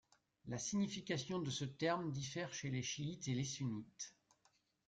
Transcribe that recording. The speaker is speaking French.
La signification de ce terme diffère chez les chiites et les sunnites.